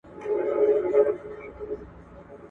درمل په بدن کې ژر حل کېږي.